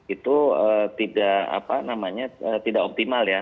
itu tidak optimal ya